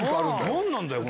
何なんだよ！